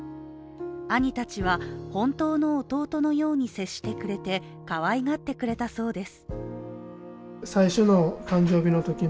兄たちは本当の弟のように接してくれてかわいがってくれたそうです。